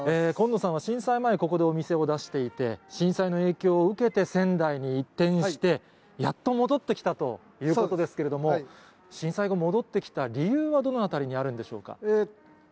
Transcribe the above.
紺野さんは震災前、ここでお店を出していて、震災の影響を受けて、仙台に移転して、やっと戻ってきたということですけれども、震災後、戻ってきた理由は、どのあたりにあるんでしょうか？